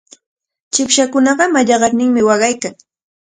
Chipshakunaqa mallaqanarmi waqaykan.